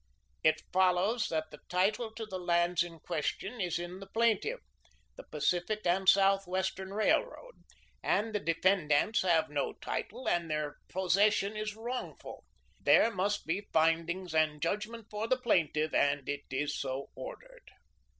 It follows that the title to the lands in question is in the plaintiff the Pacific and Southwestern Railroad, and the defendants have no title, and their possession is wrongful. There must be findings and judgment for the plaintiff, and it is so ordered."